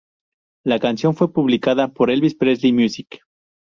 La canción fue publicada por Elvis Presley Music.